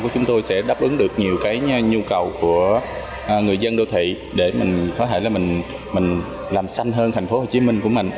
chúng tôi sẽ đáp ứng được nhiều nhu cầu của người dân đô thị để mình làm xanh hơn thành phố hồ chí minh của mình